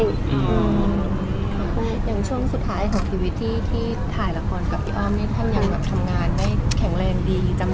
อย่างช่วงสุดท้ายของชีวิตที่ถ่ายละครกับพี่อ้อมนี่ท่านยังแบบทำงานได้แข็งแรงดี